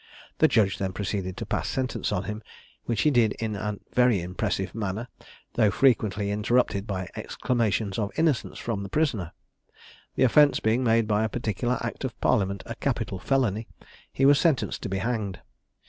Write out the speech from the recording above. The judge then proceeded to pass sentence on him; which he did in a very impressive manner, though frequently interrupted by exclamations of innocence from the prisoner. The offence being made by a particular act of parliament a capital felony, he was sentenced to be hanged.